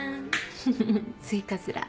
フフフスイカズラ。